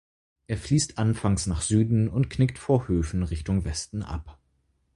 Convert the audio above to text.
Er fließt anfangs nach Süden und knickt vor Höfen Richtung Westen ab.